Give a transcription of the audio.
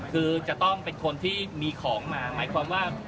คือจะต้องเป็นคนที่มีของมาหมายความว่า